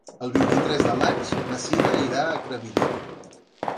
El vint-i-tres de maig na Cira irà a Crevillent.